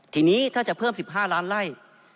ทีนี้ถ้าจะเพิ่ม๑๕ล้านไล่